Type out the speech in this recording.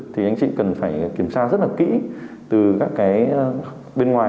thì anh chị cần phải kiểm tra rất là kỹ từ các cái bên ngoài